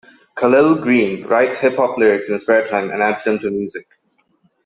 Khalil Greene writes hip-hop lyrics in his spare time and adds them to music.